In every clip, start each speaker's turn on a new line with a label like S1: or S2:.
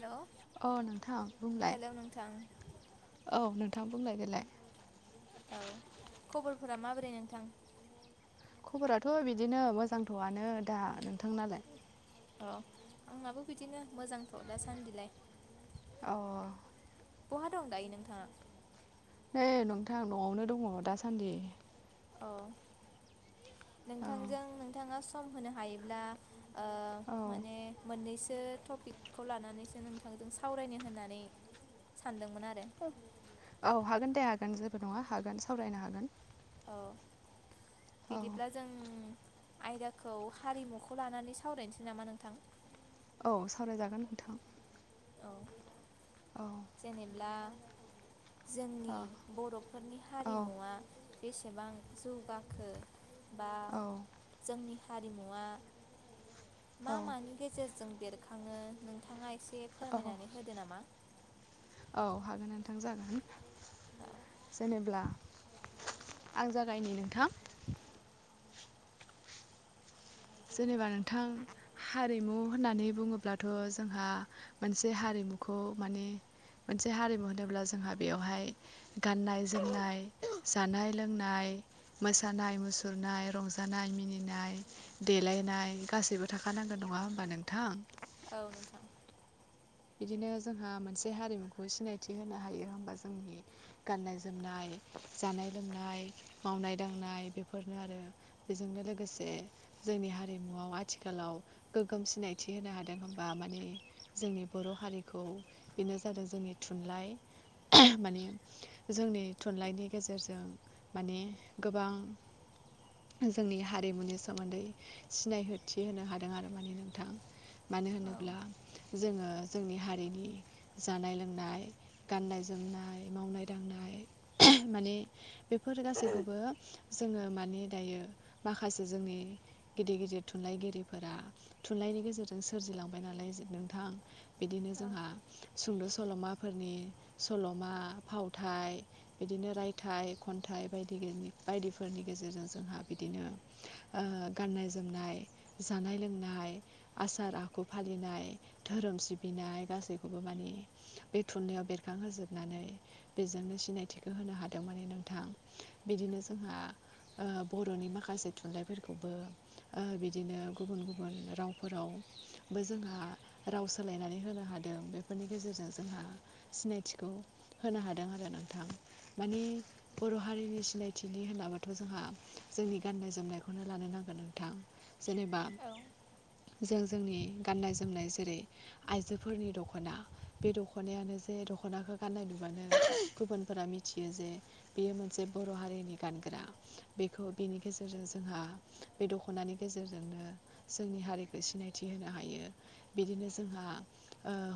S1: हेल'
S2: औ नोंथां बुंलाय
S1: हेल' नोंथां
S2: औ नोंथां बुंलाय देलाय
S1: औ खबरफोरा माबोरै नोंथां
S2: खबराथ' बिदिनो मोजांथ'आनो दा नोंथांनालाय
S1: औ आंनाबो बिदिनो मोजांथ' दासान्दिलाय
S2: अ
S1: बहा दं दायो नोंथाङा?
S2: नै नोंथां न'आवनो दङ दासान्दि
S1: औ
S2: औ
S1: नोंथांजों नोंथाङा सम होनो हायोब्ला ओ
S2: औ
S1: माने मोननैसो टपिकखौ लानानैसो नोंथांजों सावरायनो होननानै सानदोंमोन आरो
S2: औ हागोन दे हागोन जेबो नङा हागोन सावरायनो हागोन।
S1: औ
S2: औ
S1: बिदिब्ला जों आयदाखौ हारिमुखौ लानानै सावरायनोसै नामा नोंथां।
S2: औ सावरायजागोन नोंथां।
S1: औ
S2: औ
S1: जेनेब्ला
S2: औ
S1: जोंनि बर'फोरनि
S2: औ
S1: हारिमुवा बेसेबां जौगाखो बा
S2: औ
S1: जोंनि हारिमुवा मा
S2: औ
S1: मानि गेजेरजों बेरखाङो नोंथाङा एसे
S2: औ
S1: फोरमायनानै होदो नामा?
S2: औ हागोन नोंथां जागोन
S1: औ
S2: जेनेब्ला आं जागायनि नोंथां। जेनेबा नोंथां हारिमु होननानै बुङोब्ला थ' जोंहा मोनसे हारिमुखौ माने मोनसे हारिमु होनोब्ला जोंहा बेयावहाय गाननाय जोमनाय जानाय लोंनाय मोसानाय मुसुरनाय रंजानाय मिनिनाय देलायनाय गासैबो थाखानांगोन नङा होमबा नोंथां।
S1: औ नोंथां
S2: बिदिनो जोंहा मोनसे हारिमुखौ सिनायथि होनो हायो होनबा जोंनि गाननाय जोमनाय जानाय लोंनाय मावनाय दांनाय बेफोरनो आरो बेजोंनो लोगोसे जोंनि हारिमुआव आथिखालाव गोगोम सिनायथि होनो हादों होनबा माने जोंनि बर' हारिखौ बेनो जादों जोंनि थुनलाइ माने जोंनि थुनलाइनि गेजेरजों माने गोबां जोंनि हारिमुनि सोमोन्दै सिनायहोथि होनो हादों आरो माने नोंथां मानो
S1: औ
S2: होनोब्ला जोङो जोंनि हारिनि जानाय लोंनाय गाननाय जोमनाय मावनाय दांनाय माने बे फोर गासैखौबो जोङो माने दायो माखासे जोंनि गिदिर गिदिर थुनलाइगिरिफोरा थुनलाइनि गेजेरजों सोरजिलांबाय नालाय नोंथां। बिदिनो
S1: औ
S2: जोंहा सुंद' सल'माफोरनि सल'मा फावथाइ बिदिनो रायथाइ खन्थाइ बायदि बायदिफोरनि गेजेरजों जोंहा बिदिनो ओ गाननाय जोमनाय जानाय लोंनाय आसार आखु फालिनाय धोरोम सिब बिनाय गासैखौबो माने बे थुनलाइयाव बेरखांहोजोबनानै बेजोंनो सिनायथिखौ होनो हादों माने नोंथां बिदिनो जोंहा बर'नि माखासे थुनलाइफोरखौबो बिदिनो गुबुन गुबुन रावफोराव बो जोंहा राव सोलायनानै होनो हादों बेफोरनि गेजेरजों जोंहा सिनायथिखौ होनो हादों आरो नोंथां माने बर' हारिनि सिनायथिनि होनलाबाथ' जोंहा जोंनि गाननाय जोमनायखौनो लानो नांगोन नोंथां जेनेबा
S1: औ
S2: जों जोंनि गाननाय जोमनाय जेरै आइजोफोरनि दख'ना बे दख'नायानो जे दख'नाखौ गाननाय नुबो गुबुनफोरा मिथि मिथियो जे बियो मोनसे बर' हारिनि गानग्रा बेखौ बिनि गेजेरजों जोंहा बे दख'नानि गेजेरजोंनो जोंनि हारिखौ सिनायथि होनो हायो बिदिनो जोंहा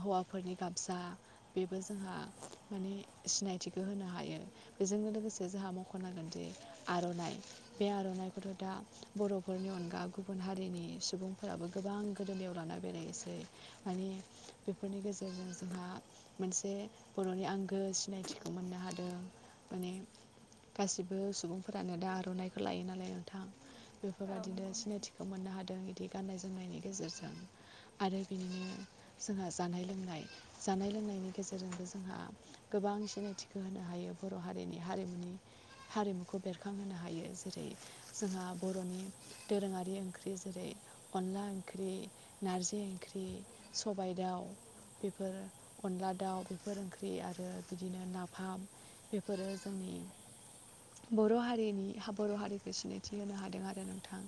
S2: हौवाफोरनि गामसा बेबो जोंहा माने सिनायथिखौ होनो हायो बेजों लोगोसे जोंहा मख'नांगोनदि आर' ननाय बे आर'नाइखौथ' दा बर'फोरनि अनगा गुबुन हारिनि सुबुंफोराबो गोबां गोदोनियाव लाना बेरायनोसै मानिे बेफोरनि गेजेरजों जोंहा मोनसे बर'नि आंगो सिनायथिखौ मोननो हादों माने गासिबो सुबुंफोरानो दा आर'नाइखौ लायो नालाय नोंथां।
S1: औ
S2: बेफोरबायादिनो
S1: नंगौ नोंथां
S2: सिनायथिखौ मोननो हादों इदि गाननाय जोमनायनि गेजेरजों आरो बिनिनो जोंहा जानाय लोंनाय जानाय लोंनायनि गेजेरजोंबो जोंहा गोबां सिनायथिख होनो हायो बर' हारिनि हारिमुनि हारिमुखौ बेरखांहोनो हायो जेरै जोंहा बर'नि दोरोङारि ओंख्रि जेरै अनला ओंख्रि नारजि ओंख्रि सबायाइ दाउ। बेफोर अनला दाउ बेफोर ओंख्रि आरो बिदिनो नाफाम बेफोरो जोंनि बर' हारिनि बर' हारिखौ सिनायथि होनो हादों आरो नोंथां।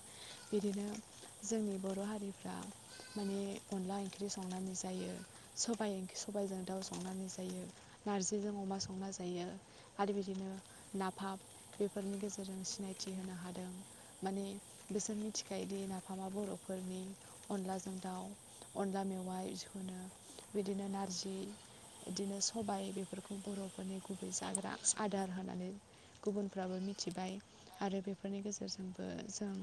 S2: बिदिनो जोंनि बर' हारिफ्रा माने अनला ओंख्रि संनानै जायो सबाइ - सबाइजों दाउ संनानै जायो। नारजिजों अमा संना जायो आरो बिदिनो नाफाम बेफोरनि गेजेरजों सिनायथि होनो हादों। माने बिसोर मिथिखायोदि नाफामा बर'फोरनि अनलाजों दाउ अनला मेवाइ बिखौनो बिदिनो नारजि। बिदिनो सबाय बेफोरखौ बर'फोरनि गुबै जाग्रा आदार होनानै गुबुनफ्राबो मिथिबाय आरो बेफोरनि गेजेरजोंबो जों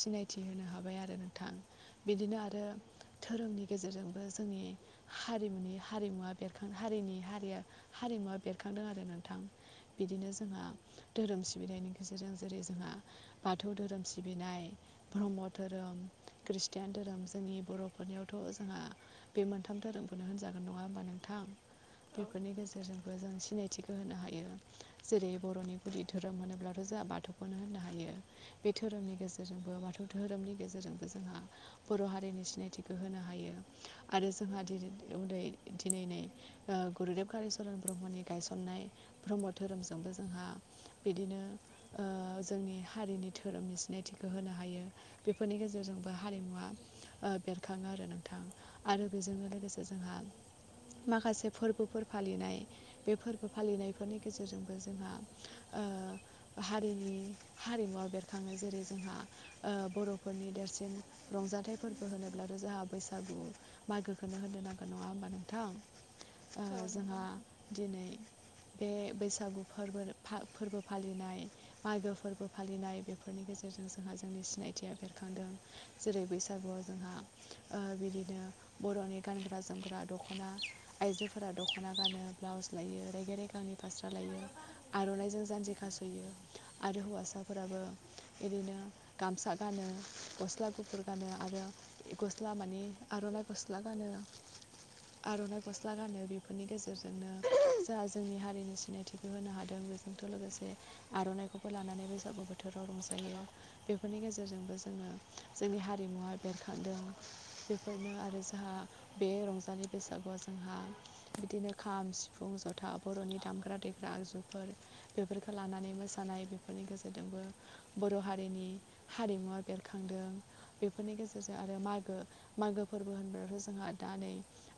S2: सिनायथि होनो हाबाय आरो नोंथां बिदिनो आरो धोरोमनि गेजेरजोंबो जोंनि हारिमुनि हारिमुवा बेख हारिनि हारिया हारिमुवा बेरखांदों आरो नोंथां। बिदिनो जोंहा धोरोम सिबिथायनि गेजेरजों जेरै जोंहा बाथौ धोरोम सिबिनाय ब्रह्म धोरोम। कृतान धोरोम जोंनि बर'फोरनियावथ' जोंहा बे मोनथाम धोरोमखौनो होनजागोन नङा होमबा नोंथां। बेफोरनि गेजेरजों बे जों सिनायथिखौ होनो हायो जेरै बर'नि गुदि धोरोम होनोब्लाथ' जोंहा बाथौखौनो होनो हायो। बे धोरोमनि गेजेरजोंबो बाथौ धोरोमनि गेजेरजोंबो जोंहा बर' हारिनि सिनायथिखौ होनो हायो आरो जोंहा उदै दिनैनि गुरुदेब कलिचरन ब्रह्मनि गायसननाय ब्रह्म धोरोमजोंबो जोंहा बिदिनो जोंनि हारिनि धोरोमनि सिनायथिखौ होनो हायो बेफोरनि गेजेरजोंबो हारिमुवा बेरखाङो आरो नोंथां आरो बेजोंनो लोगोसे जोंहा माखासे फोरबोफोर फालिनाय बे फोरबो फालिनायफोरनि गेजेरजोंबो जोंहा हारिनि हारिमुवा बेरखाङो जेरै जोंहा बर'फोरनि देरसिन रंजाथाइ फोरबो होनोब्लाथ' जोंहा बैसागु बैसागु मागोखौनो होनो नांगोन नङा होमबा
S1: औ
S2: नोंथां।
S1: नंगौ
S2: जोंहा
S1: नोंथां
S2: दिनै बे बैसागु फोरबो फोरबो फालिनाय मागो फोरबो फालिनाय बेफोरनि गेजेरजों जोंहा जोंनि सिनायथिया बेरखांदों। जेरै- बैसागुआव जोंहा बिदिनो बर'नि गानग्रा जोमग्रा दख'ना आइजोफोरा दख'ना गानो ब्लाउस लायो रेगेरेगांनि फास्रा लायो। आर'नाइजों जान्जि खास'यो आरो। हौवासाफोराबो बिदिनो गामसा गानो खस्थ गस्ला गुफुर गानो आरो गस्ला मानिे आर'नाइ गस्ला गानो। आर'नाइ गस्ला गानो बेफोरनि गेजेरजोंनो जोंहा जोंनि हारिनि सिनायथिबो होनो हादों। आोंथ' लोगोसे आर'नाइखौबो लानानै बैसागु बोथोर बोथोराव रंजायो बेफोरनि गेजेरजोंबो जोङो जोंनि हारिमुवा बेरखांदों बेफोरनो आरो जोंहा बे रंजालि बैसागुआव जोंहा बिदिनो खाम सिफुं जथा बर'नि दामग्रा देग्रा आगजुफोर। बेफोरखौ लानानै मोसानाय बेफोरनि गेजेरजोंबो बर' हारिनि हारिमुवा बेर खांदों बेफोरनि गेजेरजों आरो मागो मागो फोरबो होनबथ' जोंहा दा नै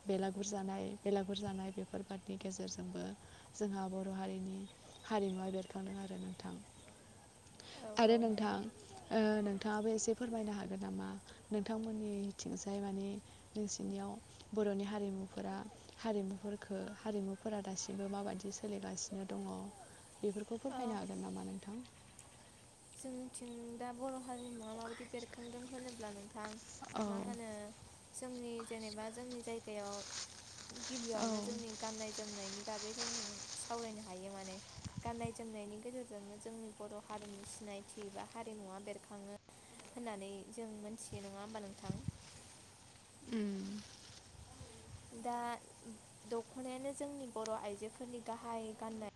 S2: बेलागुर जानाय बेलागुर जानाय बेफोर बादनि गेजेरजोंबो जोंहा बर' हारिनि हारिमुवा बेरखांदों आरो नोंथां।
S1: औ औ
S2: आरो
S1: नंगौ
S2: नोंथां ओ नोंथां। नोंथाङाबो एसे फोरमायनो हागोन नामा नोंथांमोननिथिंजाय मानि नोंसिनियाव बर'नि हारिमुफोरा हारिमुख हारिमुफोरा दासिमबो माबायदि सोलिगासिनो दङ। बेफोरखौ फोरमायनो हागोन नामा नोंथां?
S1: जोंथिं दा बर' हारिमुवा माबायदि बेरखांदों होनोब्ला नोंथां आं मा
S2: औ
S1: होनो जोंनि जेनेबा जोंनि जायगायाव
S2: औ
S1: गिबियावनो जोंनि गाननाय जोमनायनि बागै जों सावरायनो हायो माने गाननाय जोमनायनि गेजेरजोंनो जोंनि बर' हारिनि सि सिनायथि बा हारिमुवा बेरखांङो होननानै जों मोनथियो नङा होमबा नोंथां।
S2: ओ।
S1: दा दख'नायानो जोंनि बर' आइजोफोरनि गाहाय गाननाय।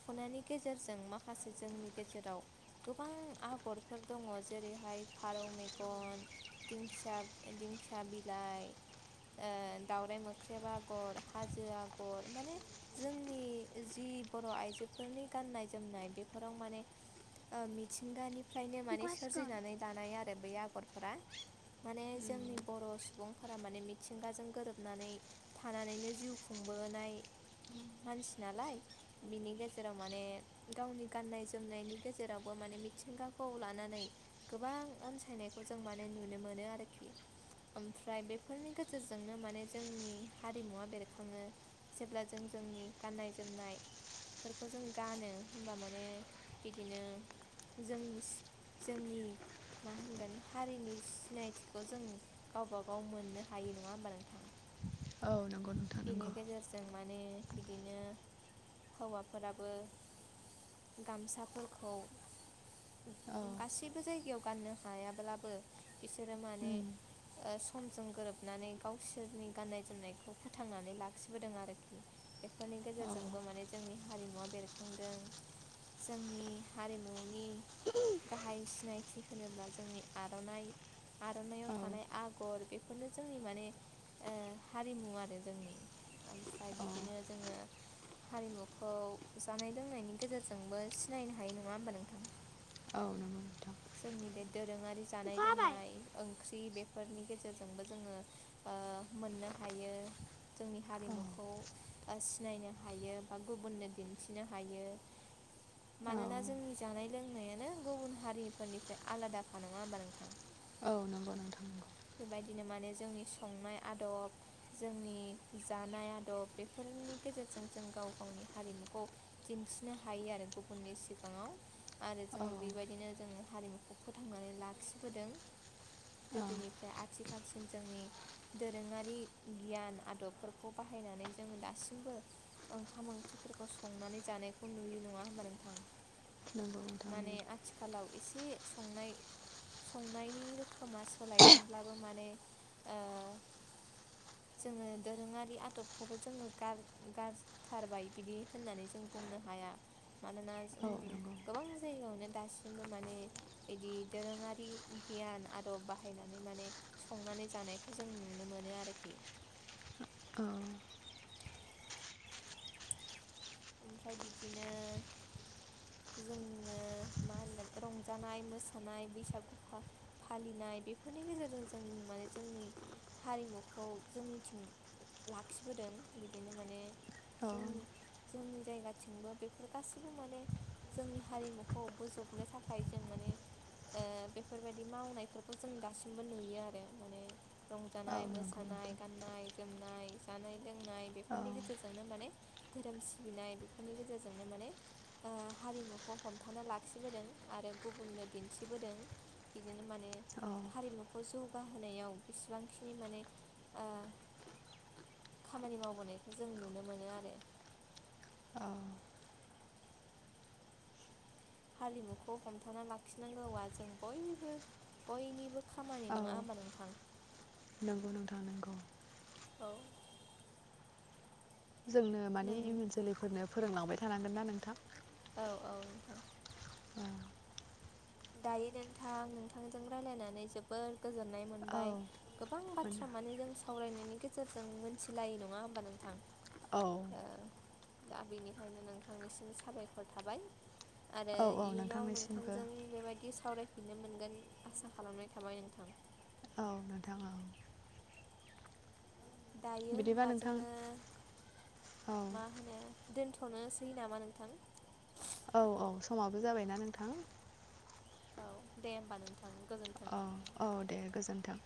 S1: दख'नायनि गेजेरजों माखासे जोंनि गेजेराव गोबां आगरफोर दङ। जेरैहाय फारौ मेगन, दिंख दिंखिया बिलाइ, ओ दाउराइ मोख्रेब आगर, हाजो आगर, माने जोंनि जि बर' आइजो बेफोरनि गाननाय जोमनाय बेफोराव माने मिथिंगानि फ्रायनो माने सोरजिनानै दानाय आरो बै आगरफोरा माने जोंनि बर' सुबुं फोर माने मिथिंगाजों गोरोबनानै थानानैनो जिउ खुंबोनाय मानसि नालाय। बेनि गेजेर जेराव माने गावनि गाननाय जोमनायनि गेजेरावबो माने मिथिंगाखौ लानानै गोबां अनसायनायखौ जों माने नुनो मोनो आरोखि। ओमफ्राय बेफोरनि गेजेरजोंनो माने जोंनि हारिमुवा बेरखांङो। जेब्ला जों जोंनि गाननाय जोमनाय बे फोरफोरखौ जों गानो होमबा माने बिदिनो जोंनि जोंनि मा होनगोन हारिनि सिनायथिखौ जों गावबा गाव मोननो हायो नङा होमबा नोंथां।
S2: औ नंगौ नोंथां
S1: बिनि
S2: नंगौ
S1: गेजेरजों माने बिदिनो हौवाफोराबो गामसाफोरखौ
S2: औ
S1: गासैबो जायगायाव गाननो हायाब्लाबो बिसोरो माने
S2: उम
S1: ओ समजों गोरोबनानै गावसोरनि गाननाय जोमनायखौ फोथांनानै लाखिबोदों आरोखि एफोरनि
S2: औ
S1: गेजेरजोंबो माने जोंनि हारिमुवा बेरखांदों जोंनि हारिमुनि गाहाय सिनायथि होनोब्ला जोंनि आर'नाइ आर'नाइआव
S2: औ
S1: थानाय आग गर बेफोरनो जोंनि माने ओ हारिमु आरो जोंनि ओमफ्राय
S2: औ
S1: बिदिनो जोङो हारिमुखौ जानाय लोंनायनि गेजेरजोंबो सिनायनो हायो नङा होमबा नोंथां?
S2: औ नंगौ नोंथां
S1: जोंनि बे दोरोङारि जानाय लोंनाय ओंख्रि बेफोरनि गेजेरजोंबो जोङो ओ मोननो हायो जोंनि हारिमुखौ सिनायनो हायो बा गुबुननो दिन्थिनो हायो लांदां
S2: औ औ
S1: मानोना जोंनि जानाय लोंनायानो गुबुन हारिफोरनिफ्राय आलादाखा नङा होमबा नोंथां?
S2: औ नंगौ नोंथां नंगौ
S1: बेबायदिनो माने जोंनि संनाय आदब जोंनि जानाय आदब बेफोरनि गेजेरजों जों गाव गावनि हारिमुखौ दिन्थिनो हायो आरो गुबुननि सिगाङाव आरो
S2: औ
S1: जोङो बेबायदिनो जोङो हारिमुखौ फोथांनानै लाखिबोदों।
S2: औ
S1: गोदोनिफ्राय आथिखाल जोंनि दोरोङारि गियान आदबफोरखौ बाहायनानै जोङो दासिमबो ओंखाम ओंख्रिफोरखौ संनानै जानायखौ नुयो नङा होमबा नोंथां
S2: नंगौ नोंथां
S1: माने
S2: नंगौ
S1: आथिखालाव एसे संनाय संनायनि रोखोमा सोलायदोंब्लाबो माने ओ जोङो दोरोङारि आदबखौबो जोङो गार गारज थारबाय बिदि होननानै जों बुंनो हाया मानोना
S2: औ नंगौ
S1: गोबां जायगायावनो दासिमबो माने बिदि दोरोंङारि गियान आदब बाहायनानै माने संनानै जानायखौ जों नुनो मोनो आरोखि
S2: औ
S1: ओमफ्राय बिदिनो जोङो मा होनो रंजानाय मोसानाय बैसागु फा फालिनाय बेफोरनि गेजेरजों जों माने जोंनि हारिमुखौ जोंनिथिं लाखिबोदों बिदिनो माने
S2: औ
S1: जोंनि जोंनि जायगाथिंबो बेफोर गासैबो माने जोंनि हारिमुखौ बोजबनो थाखाय जों माने ओ बेफोरबायदि मावनायफोरखौ जों दासिमबो नुयो आरो माने
S2: औ
S1: रंजानाय
S2: नंगौ नोंथां
S1: मोसानाय गाननाय जोमनाय जानाय लोंनाय
S2: औ
S1: बेफोरनि गेजेरजोंनो माने धोरोम सिबिनाय बेफोरनि गेजेरजोंनो माने ओ हारिमुखौ हमथाना लाखिबोदों आरो गुबुननो दिन्थिबोदों बिदिनो माने
S2: औ
S1: हारिमुखौ जौगाहोनायाव बिसेबांखिनि माने ओ खामानि मावबोनायखौ जों नुनो मोनो आरो
S2: अ
S1: हारिमुखौ हमथाना लाखिनांगौवा जों बयनिबो बयनिबो खामानि
S2: औ
S1: नङा होमबा नोंथां
S2: नंगौ नोंथां नंगौ
S1: औ
S2: जोंनो माने
S1: नों
S2: इयुन जोलैफोरनो फोरोंलांबाय थानांगोनना नोंथां
S1: औ औ नोंथां
S2: औ
S1: दायो नोंथां नोंथांजों रायज्लायनानै जोबोर गोजोननाय मोनबाय
S2: औ
S1: गोबां
S2: मोनो
S1: बाथ्रा माने जों सावरायनायनि गेजेरजों मोनथिलायो नङा होमबा नोंथां
S2: औ।
S1: ओ दा बेनिखायनो नोंथांनिसिम साबायखर थाबाय। आरो
S2: औ औ
S1: इयुनाव
S2: नोंथांनिसिमबो
S1: नोंथांजों बेबायदि सावरायफिननो मोनगोन आसा खालामनाय थाबाय नोंथां।
S2: औ नोंथां औ।
S1: दायो
S2: बिदिबा
S1: होमबा
S2: नोंथां
S1: जोङो
S2: औ
S1: मा होनो दोनथ'नोसै नामा नोंथां?
S2: औ औ समाबो जाबायना नोंथां।
S1: औ दे होमबा नोंथां गोजोन्थों।
S2: अ अ दे गोजोन्थों।